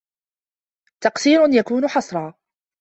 تَقْصِيرٌ يَكُونُ حَصْرًا